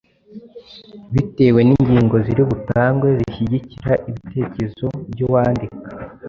bitewe n’ingingo ziri butangwe zishyigikira ibitekerezo by’uwandika.